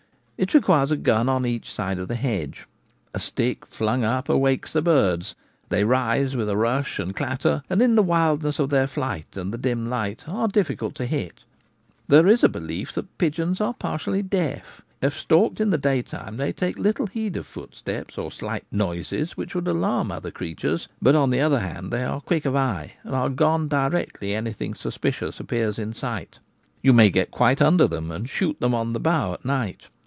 It requires a gun on each side of the hedge. A stick flung up awakes the birds ; they rise with a rush and clatter, and in the wildness of their flight and the dim light are difficult to hit. There is a be lief that pigeons are partially deaf. If stalked in the daytime they take little heed of footsteps or slight noises which would alarm other creatures ; but, on the other hand, they are quick of eye, and are gone directly anything suspicious appears in sight. You may get quite under them and shoot them on the bough at night.